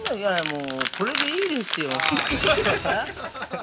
もうこれでいいですよ。